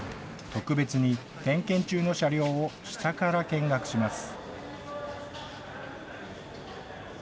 特別に点検中の車両を下から見学します。